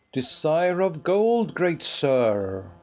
Desire of gold, great sir!